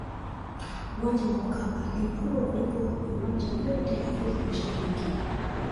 uwanja wa mkapa ni mkubwa kuliko viwanja vyote afrika mashariki